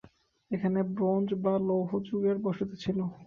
এখানে ব্রোঞ্জ বা লৌহ যুগের বসতি ছিল।